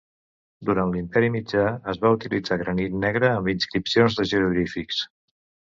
Durant l'Imperi mitjà, es va utilitzar granit negre amb inscripcions de jeroglífics.